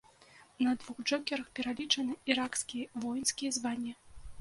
На двух джокерах пералічаныя іракскія воінскія званні.